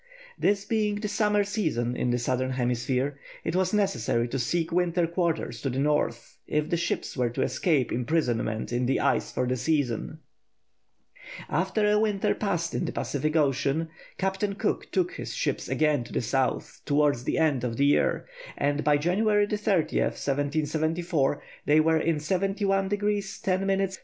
This being the summer season in the southern hemisphere, it was necessary to seek winter quarters to the north if the ships were to escape imprisonment in the ice for the season. After a winter passed in the Pacific Ocean, Captain Cook took his ships again to the south, towards the end of the year, and by January 30, 1774, they were in 71° 10' S.